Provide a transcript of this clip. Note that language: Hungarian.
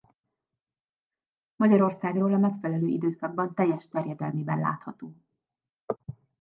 Magyarországról a megfelelő időszakban teljes terjedelmében látható.